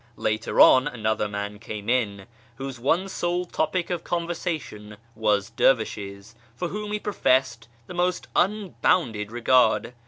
Later on another man came in, whose one sole topic of conversation was dervishes, for whom he professed the most unbounded regard.